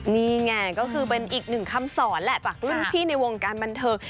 นี่แก่ก็คือเป็นอีกหนึ่งคำสอนพากตุ้นพี่ในวงการบรรเทิง